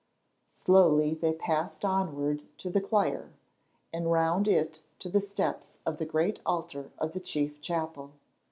Slowly they passed onward to the choir, and round it to the steps of the great altar of the chief chapel.